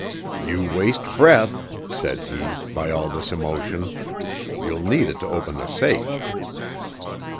"You waste breath," said he, "by all this emotion. You'll need it to open the safe."